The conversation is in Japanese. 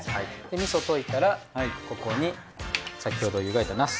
みそ溶いたらここに先ほど湯がいたナス。